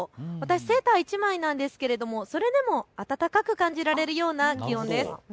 セーター１枚ですが、それでも暖かく感じられるような気温です。